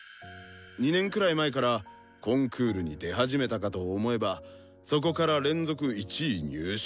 ２年くらい前からコンクールに出始めたかと思えばそこから連続１位入賞。